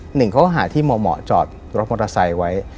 หนึ่งข้อหาที่เหมาะจอดรถมอเตอร์ไซค์ไว้